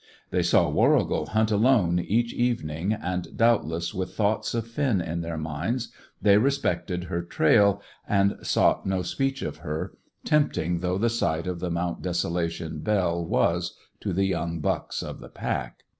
They saw Warrigal hunt alone each evening and, doubtless with thoughts of Finn in their minds, they respected her trail, and sought no speech of her, tempting though the sight of the Mount Desolation belle was to the young bucks of the pack.